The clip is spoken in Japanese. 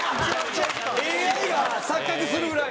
ＡＩが錯覚するぐらい？